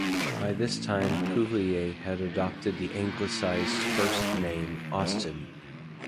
By this time, Cuvillier had adopted the anglicized first name Austin.